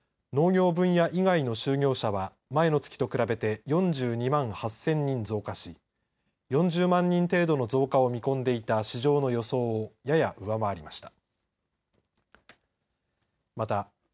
アメリカ労働省が６日発表した先月の雇用統計によりますと農業分野以外の就業者は前の月と比べて４２万８０００人増加し４０万人程度の増加を見込んでいた市場の予想をやや上回りました。